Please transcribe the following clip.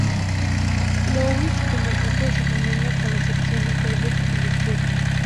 Louis con el resto de su familia, con la excepción de Herbert y Lisbeth.